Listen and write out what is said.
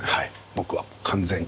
僕は完全に。